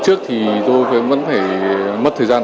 trước tôi vẫn phải mất thời gian